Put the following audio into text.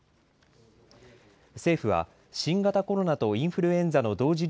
政府は新型コロナとインフルエンザの同時